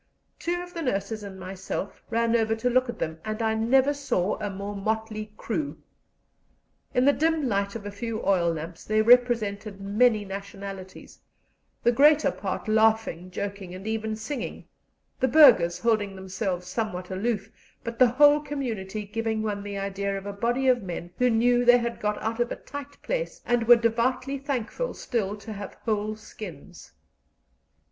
Two of the nurses and myself ran over to look at them, and I never saw a more motley crew. In the dim light of a few oil lamps they represented many nationalities, the greater part laughing, joking, and even singing, the burghers holding themselves somewhat aloof, but the whole community giving one the idea of a body of men who knew they had got out of a tight place, and were devoutly thankful still to have whole skins.